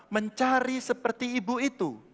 mencari seperti ibu itu